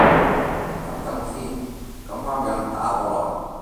等等先，咁啱有人打過來